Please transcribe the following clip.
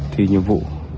thì nhiệm vụ